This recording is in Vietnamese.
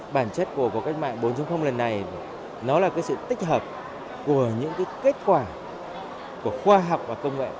bản chất của cuộc cách mạng bốn lần này nó là cái sự tích hợp của những kết quả của khoa học và công nghệ